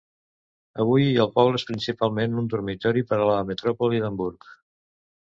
Avui, el poble és principalment un dormitori per a la metròpoli d'Hamburg.